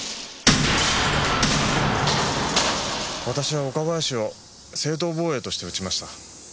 私は岡林を正当防衛として撃ちました。